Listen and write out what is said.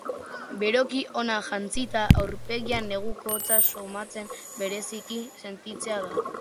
Beroki ona jantzita, aurpegian neguko hotza somatzea bizirik sentitzea da.